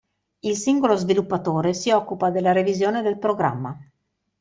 Il singolo sviluppatore si occupa della revisione del programma.